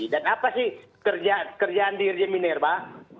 dan apa sih kerjaan di irjeminir pak